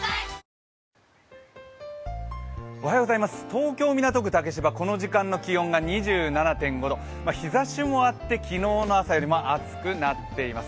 東京・港区竹芝、この時間の気温が２７．５度日ざしもあって昨日の朝よりも暑くなっています。